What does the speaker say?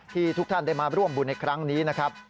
ทุกท่านได้มาร่วมบุญในครั้งนี้นะครับ